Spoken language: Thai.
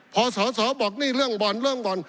พอสอสอบอกนี่เรื่องบ่อนเรื่องบ่อน